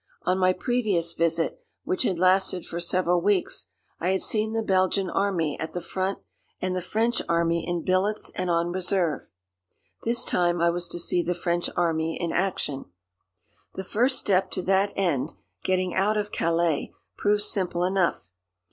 On my previous visit, which had lasted for several weeks, I had seen the Belgian Army at the front and the French Army in billets and on reserve. This time I was to see the French Army in action. The first step to that end, getting out of Calais, proved simple enough.